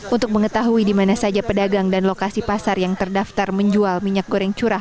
untuk mengetahui di mana saja pedagang dan lokasi pasar yang terdaftar menjual minyak goreng curah